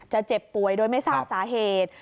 เจ็บป่วยโดยไม่ทราบสาเหตุ